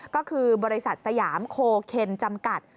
ก็คือบริษัทสยามโคเคนจำกัด